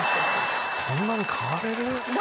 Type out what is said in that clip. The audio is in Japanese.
そんなに変われる？